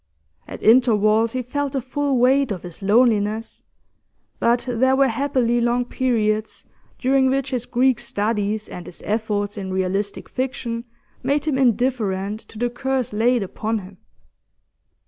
At intervals he felt the full weight of his loneliness, but there were happily long periods during which his Greek studies and his efforts in realistic fiction made him indifferent to the curse laid upon him.